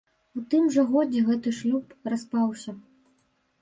У тым жа годзе гэты шлюб распаўся.